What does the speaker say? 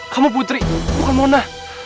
kamu putri bukan mona